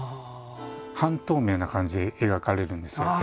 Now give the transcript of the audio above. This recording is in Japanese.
半透明な感じで描かれるんですよ